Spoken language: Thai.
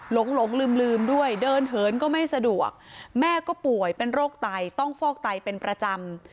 หลงลืมด้วยเดินเหินก็ไม่สะดวกแม่ก็ป่วยเป็นโรคไตต้องฟอกไตเป็นประจำ